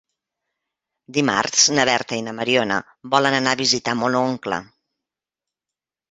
Dimarts na Berta i na Mariona volen anar a visitar mon oncle.